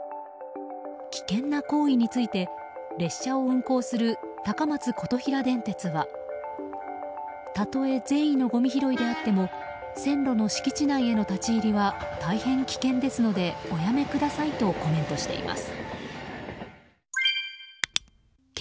危険な行為について列車を運行する高松琴平電鉄はたとえ善意のごみ拾いであっても線路の敷地内への立ち入りは大変危険ですのでおやめくださいとコメントしています。